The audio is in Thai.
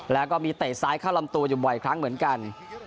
แล้วก็มีเตะซ้ายเข้าลำตัวอยู่บ่อยครั้งเหมือนกัน